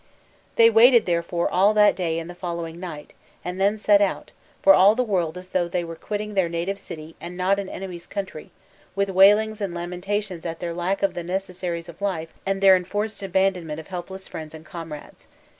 They waited therefore all that day and the follow ing night, and then set out, for all the world as though they were quitting their native city and not an enemy's country, with wailings and lamentations at their lack of the necessaries of life and their enforced abandonment of helpless friends and com rades.